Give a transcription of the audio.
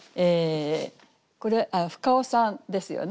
これ深尾さんですよね？